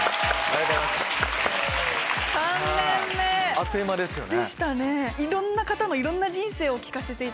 あっという間ですよね。